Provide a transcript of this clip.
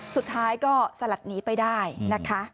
สุดท้ายก็สลัดหนีไปได้นะคะ